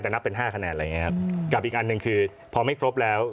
แต่นับเป็นห้าคะแนนอะไรอย่างเงี้ครับกับอีกอันหนึ่งคือพอไม่ครบแล้ว